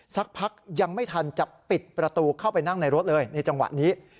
สักพักยังไม่ทันจะปิดประตูเข้าไปนั่งในรถเลยในจังหวะนี้